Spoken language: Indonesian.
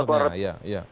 tidak urgen maksudnya ya